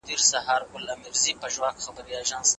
د فاسدي نکاح او صحيحي نکاح څه توپير دی؟